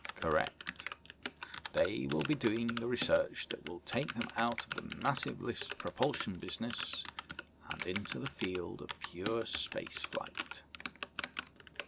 "Correct. They will be doing the research that will take them out of the massive lift propulsion business and into the field of pure space flight."